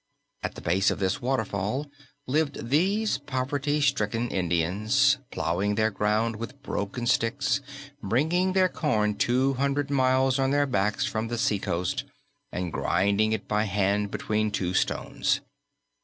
At the base of this waterfall lived these poverty stricken Indians, plowing their ground with broken sticks, bringing their corn two hundred miles on their backs from the seacoast, and grinding it by hand between two stones.